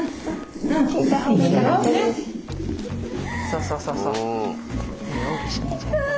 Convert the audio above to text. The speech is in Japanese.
そうそうそうそう。